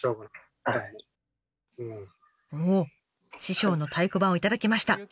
師匠の太鼓判を頂きました。